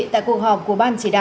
thưa quý vị